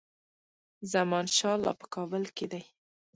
زمانشاه لا په کابل کې دی.